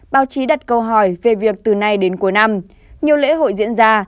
báo chí đặt câu hỏi về việc từ nay đến cuối năm nhiều lễ hội diễn ra